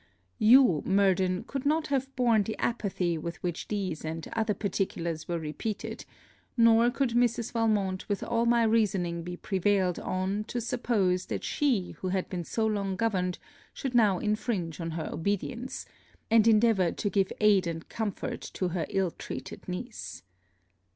You, Murden, could not have borne the apathy with which these and other particulars were repeated; nor could Mrs. Valmont with all my reasoning be prevailed on to suppose that she who had been so long governed should now infringe on her obedience, and endeavour to give aid and comfort to her ill treated niece.